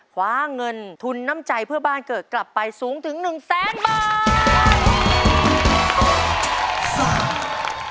คว้าเงินทุนน้ำใจเพื่อบ้านเกิดกลับไปสูงถึง๑แสนบาท